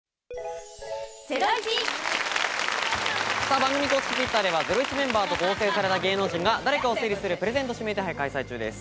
番組公式Ｔｗｉｔｔｅｒでは『ゼロイチ』メンバーと合成された芸能人が誰かを推理する、プレゼント指名手配を開催中です。